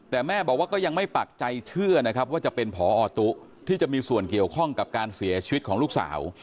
แต่แม่บอกว่าก็ยังไม่ปักใจเชื่อนะครับว่าจะเป็นพอตุ๊ที่จะมีส่วนเกี่ยวข้องกับการเสียชีวิตของลูกสาว